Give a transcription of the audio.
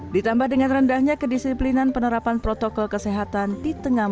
ditambah dengan rendahnya kedisiplinan penerapan protokol kesehatan di tengah masyarakat